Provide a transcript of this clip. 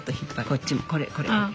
こっちもこれこれ。